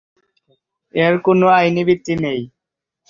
এর কোনো আইনি ভিত্তি নেই।